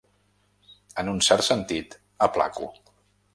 En un cert sentit, aplaco.